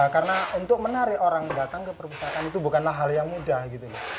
karena untuk menarik orang datang ke perpustakaan itu bukanlah hal yang mudah gitu ya